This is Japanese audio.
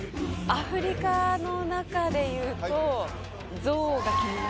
アフリカの中でいうとゾウ？